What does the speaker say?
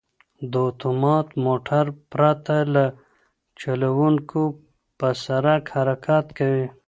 دا اتومات موټر پرته له چلوونکي په سړک حرکت کوي.